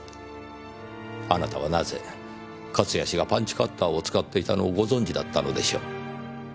あなたはなぜ勝谷氏がパンチカッターを使っていたのをご存じだったのでしょう？